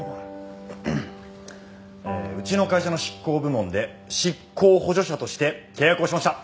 うちの会社の執行部門で執行補助者として契約をしました。